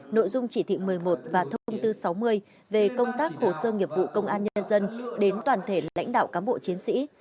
nội dung chỉ thị một mươi một và thông thông tư sáu mươi về công tác hồ sơ nghiệp vụ công an nhân dân đến toàn thể lãnh đạo cán bộ chiến sĩ